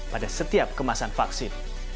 pada setiap kemasan vaksin